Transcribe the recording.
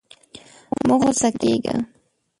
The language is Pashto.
مه غوسه کېږه!